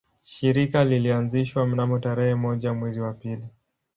Shirika lilianzishwa mnamo tarehe moja mwezi wa pili